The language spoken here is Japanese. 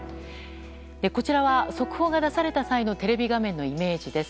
こちらは速報が出された際のテレビ画面のイメージです。